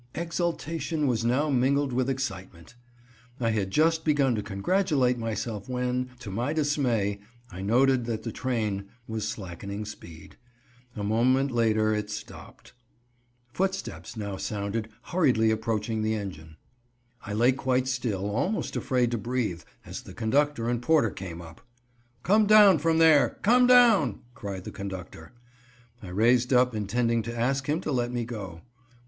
Exultation was now mingled with excitement. I had just begun to congratulate myself when, to my dismay, I noted that the train was slackening speed. A moment later it stopped. Footsteps now sounded, hurriedly approaching the engine. I lay quite still, almost afraid to breathe, as the conductor and porter came up. "Come down from there! Come down!" cried the conductor. I raised up intending to ask him to let me go.